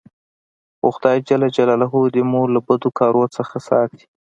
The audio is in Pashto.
خو خداى جل جلاله دي مو له بدو کارو څخه ساتي.